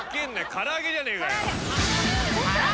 唐揚げじゃねえかよ！